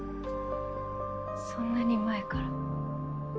そんなに前から。